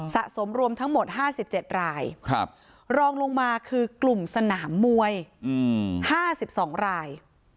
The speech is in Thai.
สะสมรวมทั้งหมดห้าสิบเจ็ดรายครับรองลงมาคือกลุ่มสนามมวยอืมห้าสิบสองราย